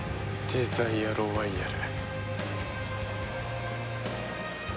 デザイアロワイヤル。